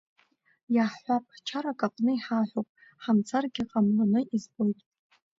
Иаҳҳәап, чарак аҟны иҳаҳәоуп, ҳамцаргьы ҟамлоны избоит.